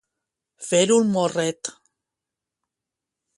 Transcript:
Fer un morret.